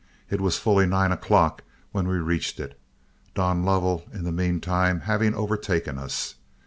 It was fully nine o'clock when we reached it, Don Lovell in the mean time having overtaken us.